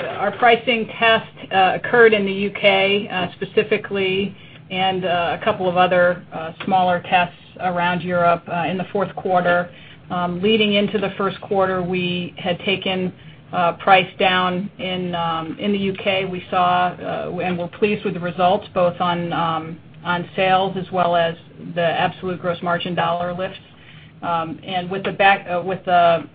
S5: Our pricing test occurred in the U.K. specifically, and a couple of other smaller tests around Europe, in the fourth quarter. Leading into the first quarter, we had taken price down in the U.K. We saw and were pleased with the results, both on sales as well as the absolute gross margin dollar lifts. With the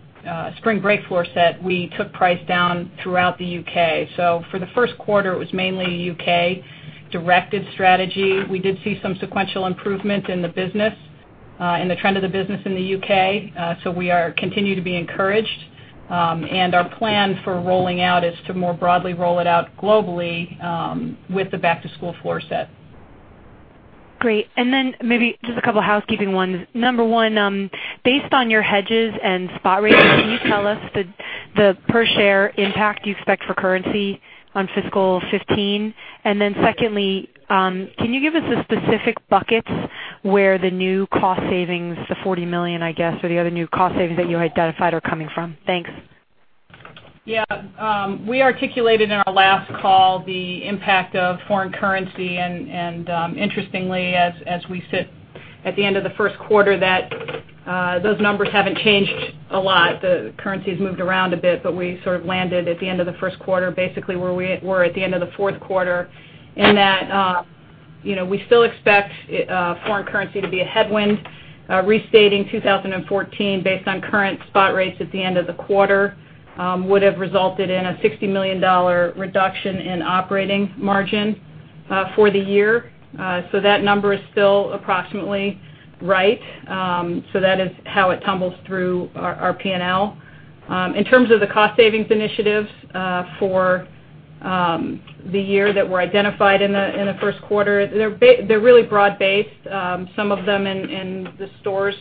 S5: spring break floor set, we took price down throughout the U.K. For the first quarter, it was mainly a U.K.-directed strategy. We did see some sequential improvement in the business, in the trend of the business in the U.K. We continue to be encouraged. Our plan for rolling out is to more broadly roll it out globally, with the back-to-school floor set.
S17: Great. Maybe just a couple housekeeping ones. Number one, based on your hedges and spot rates, can you tell us the per-share impact you expect for currency on fiscal 2015? Secondly, can you give us the specific buckets where the new cost savings, the $40 million, I guess, or the other new cost savings that you identified are coming from? Thanks.
S5: Yeah. We articulated in our last call the impact of foreign currency. Interestingly, as we sit at the end of the first quarter, those numbers haven't changed a lot. The currency's moved around a bit, but we sort of landed at the end of the first quarter, basically where we were at the end of the fourth quarter in that we still expect foreign currency to be a headwind. Restating 2014, based on current spot rates at the end of the quarter, would've resulted in a $60 million reduction in operating margin for the year. That number is still approximately right. That is how it tumbles through our P&L. In terms of the cost savings initiatives for the year that were identified in the first quarter, they're really broad-based. Some of them in the stores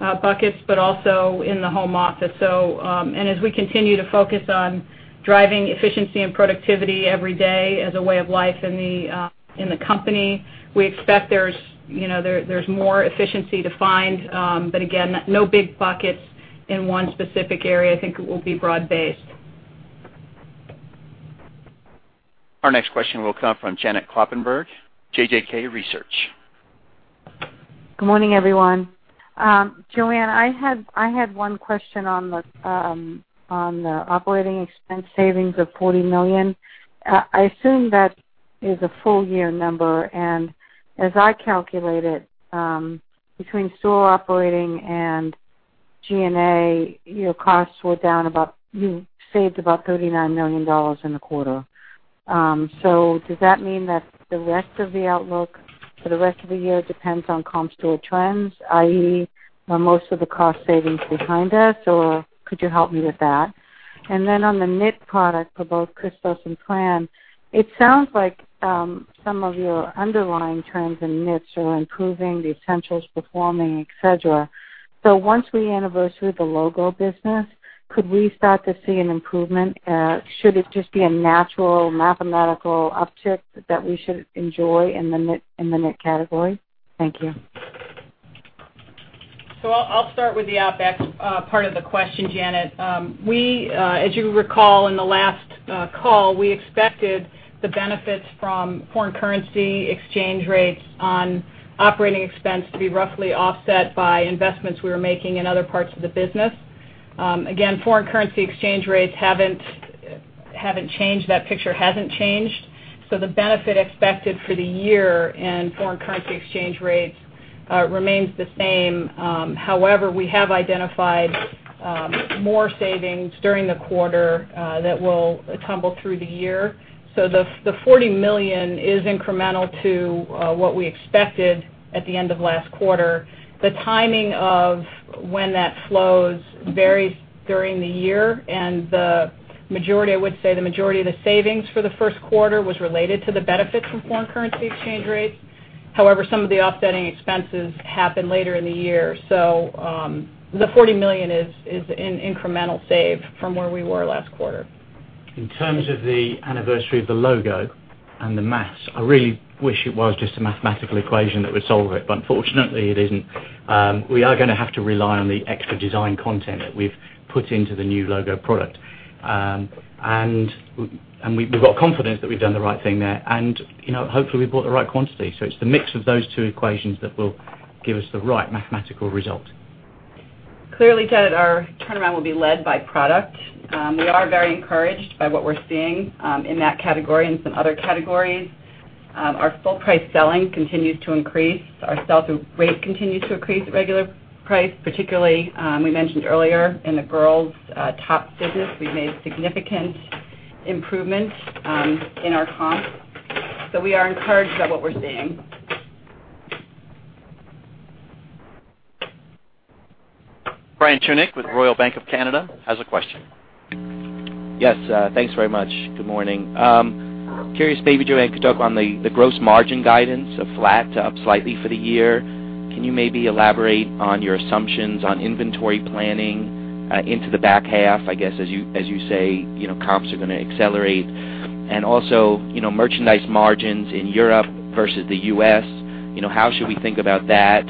S5: buckets, but also in the home office. As we continue to focus on driving efficiency and productivity every day as a way of life in the company, we expect there's more efficiency to find. Again, no big buckets in one specific area. I think it will be broad-based.
S1: Our next question will come from Janet Kloppenburg, JJK Research.
S18: Good morning, everyone. Joanne, I had one question on the operating expense savings of $40 million. I assume that is a full year number. As I calculate it, between store operating and G&A, your costs were down about, you saved about $39 million in the quarter. Does that mean that the rest of the outlook for the rest of the year depends on comp store trends, i.e., most of the cost savings behind us, or could you help me with that? On the knit product for both Christos and Fran, it sounds like some of your underlying trends in knits are improving, the Essentials performing, et cetera. Once we anniversary the logo business, could we start to see an improvement? Should it just be a natural mathematical uptick that we should enjoy in the knit category? Thank you.
S5: I'll start with the OpEx part of the question, Janet. As you recall in the last call, we expected the benefits from foreign currency exchange rates on operating expense to be roughly offset by investments we were making in other parts of the business. Again, foreign currency exchange rates haven't changed. That picture hasn't changed. The benefit expected for the year in foreign currency exchange rates remains the same. However, we have identified more savings during the quarter that will tumble through the year. The $40 million is incremental to what we expected at the end of last quarter. The timing of when that flows varies during the year, and I would say the majority of the savings for the first quarter was related to the benefits from foreign currency exchange rates. However, some of the offsetting expenses happen later in the year. The $40 million is an incremental save from where we were last quarter.
S7: In terms of the anniversary of the logo and the math, I really wish it was just a mathematical equation that would solve it, but unfortunately, it isn't. We are going to have to rely on the extra design content that we've put into the new logo product. We've got confidence that we've done the right thing there, and hopefully, we've bought the right quantity. It's the mix of those two equations that will give us the right mathematical result.
S5: Clearly, Janet, our turnaround will be led by product. We are very encouraged by what we're seeing in that category and some other categories. Our full price selling continues to increase. Our sell-through rate continues to increase at regular price. Particularly, we mentioned earlier in the girls' top business, we've made significant improvements in our comps. We are encouraged by what we're seeing.
S1: Brian Tunick with Royal Bank of Canada has a question.
S19: Yes, thanks very much. Good morning. Curious, maybe Joanne could talk on the gross margin guidance of flat to up slightly for the year. Can you maybe elaborate on your assumptions on inventory planning into the back half? Also, merchandise margins in Europe versus the U.S., how should we think about that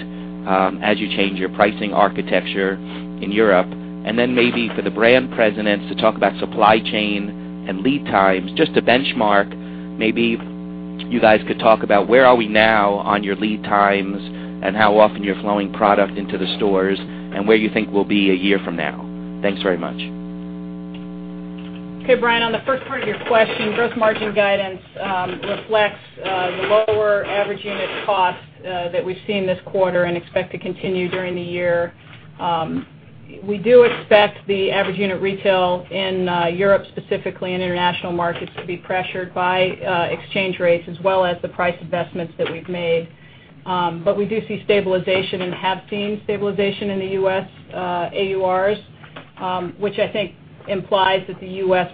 S19: as you change your pricing architecture in Europe? Then maybe for the brand presidents to talk about supply chain and lead times, just to benchmark, maybe you guys could talk about where are we now on your lead times and how often you're flowing product into the stores and where you think we'll be a year from now. Thanks very much.
S5: Okay, Brian, on the first part of your question, gross margin guidance reflects the lower average unit cost that we've seen this quarter and expect to continue during the year. We do expect the average unit retail in Europe, specifically in international markets, to be pressured by exchange rates as well as the price investments that we've made. We do see stabilization and have seen stabilization in the U.S. AURs, which I think implies that the U.S.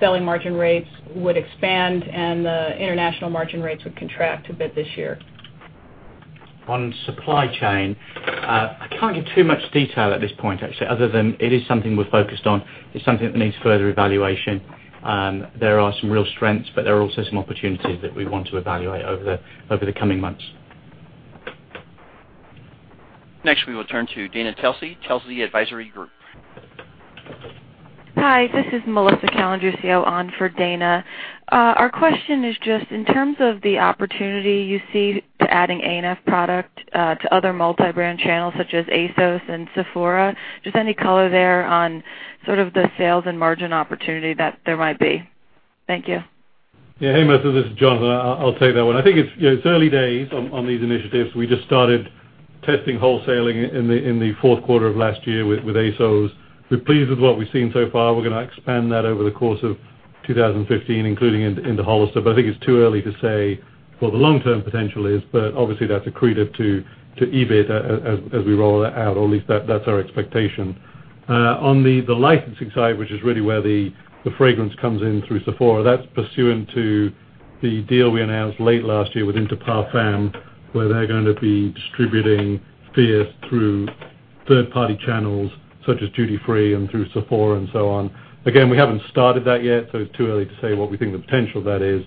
S5: selling margin rates would expand, and the international margin rates would contract a bit this year.
S7: On supply chain, I can't give too much detail at this point, actually, other than it is something we're focused on. It's something that needs further evaluation. There are some real strengths, but there are also some opportunities that we want to evaluate over the coming months.
S1: Next, we will turn to Dana Telsey Advisory Group.
S20: Hi, this is Melissa Calandruccio on for Dana. Our question is just in terms of the opportunity you see to adding ANF product to other multi-brand channels such as ASOS and Sephora. Any color there on sort of the sales and margin opportunity that there might be. Thank you.
S4: Hey, Melissa, this is Jonathan. I'll take that one. I think it's early days on these initiatives. We just started testing wholesaling in the fourth quarter of last year with ASOS. We're pleased with what we've seen so far. We're going to expand that over the course of 2015, including into Hollister. I think it's too early to say what the long-term potential is, but obviously that's accretive to EBIT as we roll that out, or at least that's our expectation. On the licensing side, which is really where the fragrance comes in through Sephora, that's pursuant to the deal we announced late last year with Inter Parfums, where they're going to be distributing Fierce through third-party channels such as duty-free and through Sephora and so on. We haven't started that yet, it's too early to say what we think the potential of that is.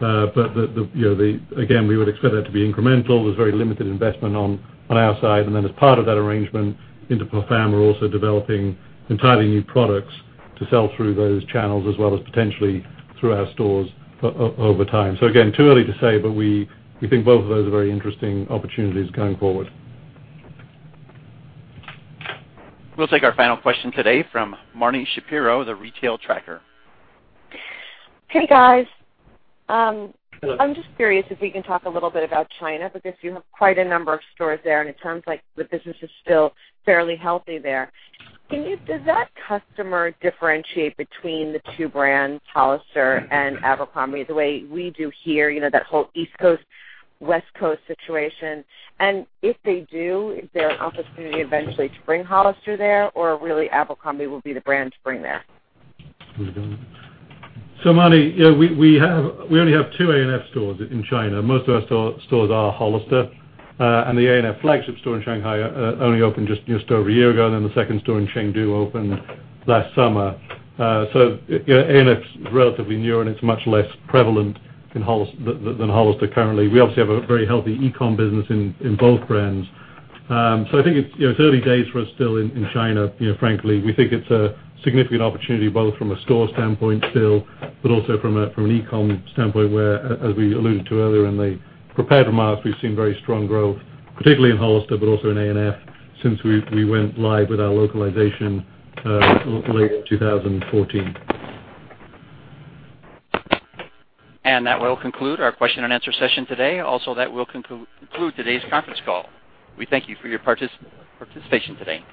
S4: We would expect that to be incremental. There's very limited investment on our side. As part of that arrangement, Inter Parfums are also developing entirely new products to sell through those channels as well as potentially through our stores over time. Too early to say, we think both of those are very interesting opportunities going forward.
S1: We'll take our final question today from Marni Shapiro, The Retail Tracker.
S21: Hey, guys.
S4: Hello.
S21: I'm just curious if we can talk a little bit about China, because you have quite a number of stores there, and it sounds like the business is still fairly healthy there. Does that customer differentiate between the two brands, Hollister and Abercrombie, the way we do here, that whole East Coast, West Coast situation? If they do, is there an opportunity eventually to bring Hollister there, or really Abercrombie will be the brand to bring there?
S4: Marni, we only have two ANF stores in China. Most of our stores are Hollister. The ANF flagship store in Shanghai only opened just over a year ago, and then the second store in Chengdu opened last summer. ANF's relatively new, and it's much less prevalent than Hollister currently. We obviously have a very healthy e-com business in both brands. I think it's early days for us still in China, frankly. We think it's a significant opportunity, both from a store standpoint still, but also from an e-com standpoint, where, as we alluded to earlier in the prepared remarks, we've seen very strong growth, particularly in Hollister, but also in ANF since we went live with our localization late in 2014.
S1: That will conclude our question and answer session today. That will conclude today's conference call. We thank you for your participation today.